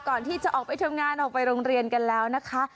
ก่อนที่จะออกไปทำงานออกไปโรงเรียนกันแล้วนะคะ